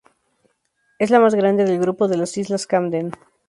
Es la más grande del grupo de las islas Camden.